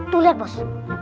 tuh liat bos